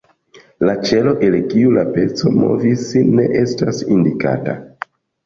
La ĉelo, el kiu la peco movis, ne estas indikata.